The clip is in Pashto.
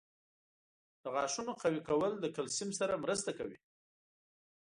• د غاښونو قوي کول د کلسیم سره مرسته کوي.